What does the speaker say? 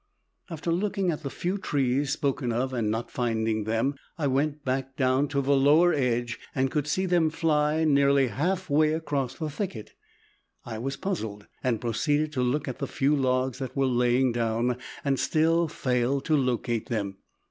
After looking at the few trees spoken of and not finding them, I went back down to the lower edge and could see them fly nearly half way across the thicket. I was puzzled, and proceeded to look at the few logs that were laying down and still failed to locate them.